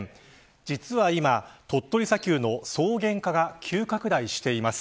実は今、鳥取砂丘の草原化が急拡大しています。